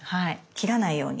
切らないように。